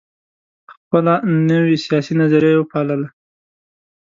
خپله نوي سیاسي نظریه یې وپالله.